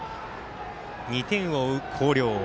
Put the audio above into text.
２点を追う広陵。